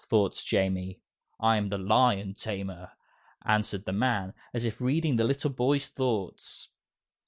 thought Jamie. "I'm the Lion Tamer," answered the man, as if reading the little boy's thoughts.